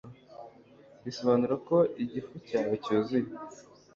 bisobanura ko igifu cyawe cyuzuye